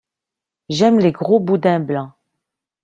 J'aime les gros boudins blancs.